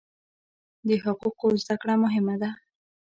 د حقوقو زده کړه مهمه ده.